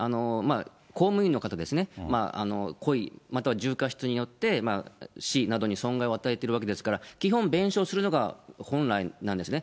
公務員の方ですね、故意、または重過失によって市などに損害を与えているわけですから、基本、弁償するのが本来なんですね。